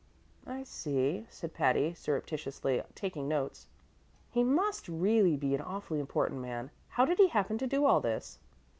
"I see," said Patty, surreptitiously taking notes. "He must really be an awfully important man. How did he happen to do all this?"